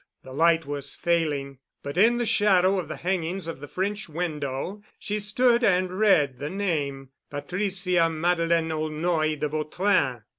The light was failing, but in the shadow of the hangings of the French window she stood and read the name Patricia Madeleine Aulnoy de Vautrin.